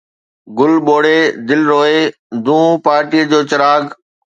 گل ٻوڙي، دل روئي، دونھون پارٽيءَ جو چراغ